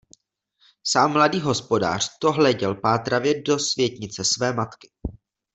Sám mladý hospodář to hleděl pátravě do světnice své matky.